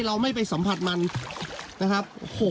เราไม่ไปสัมผัสมันนะครับ